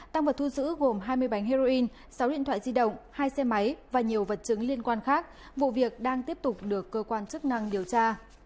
tăng vật thu giữ gồm hai mươi bánh heroin sáu điện thoại di động hai xe máy và nhiều vật chứng liên quan khác vụ việc đang tiếp tục được cơ quan chức năng điều tra